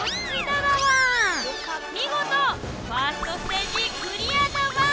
見事ファーストステージクリアだワン！